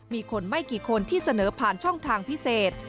มีคนไม่กี่คนที่เสนอผ่านช่องทางพิเศษ